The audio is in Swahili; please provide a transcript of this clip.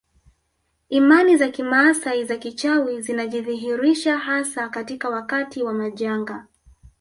Imani za kimaasai za kichawi zinajidhihirisha hasa katika wakati wa majanga